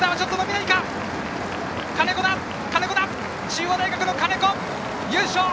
中央大学、金子が優勝！